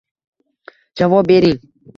Javob bering?